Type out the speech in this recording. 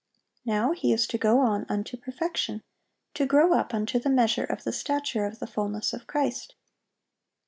Now he is to "go on unto perfection;" to grow up "unto the measure of the stature of the fulness of Christ."